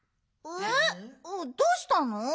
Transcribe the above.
えっどうしたの？